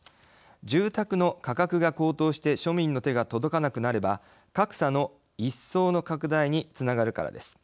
住宅の価格が高騰して庶民の手が届かなくなれば格差の一層の拡大につながるからです。